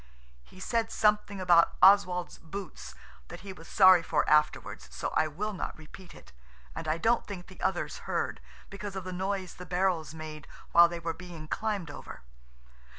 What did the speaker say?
He said something about Oswald's boots that he was sorry for afterwards, so I will not repeat it, and I don't think the others heard, because of the noise the barrels made while they were being climbed over.